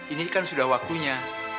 ini kan sudah waktunya